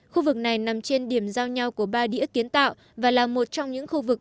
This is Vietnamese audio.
khu vực này nằm trên điểm giao nhau của ba đĩa kiến tạo và là một trong những khu vực